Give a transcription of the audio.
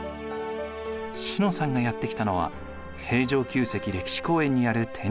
詩乃さんがやって来たのは平城宮跡歴史公園にある展示施設。